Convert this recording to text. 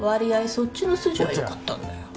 そっちの筋はよかったんだよ